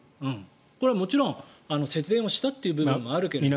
これはもちろん節電をしたという部分もありましたけど。